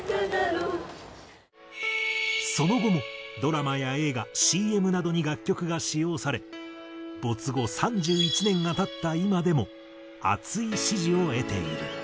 その後もドラマや映画ＣＭなどに楽曲が使用され没後３１年が経った今でも熱い支持を得ている。